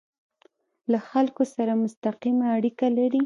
له خلکو سره مستقیمه اړیکه لري.